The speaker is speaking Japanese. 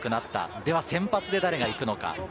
では先発で誰が行くのか。